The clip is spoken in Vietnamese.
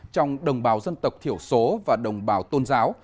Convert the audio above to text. trong đồng bào dân tộc thiểu số và đồng bào tôn giáo